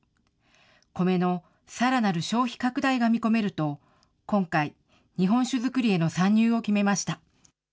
米のさらなる消費拡大が見込めると、今回、日本酒造りへの参入を決めました。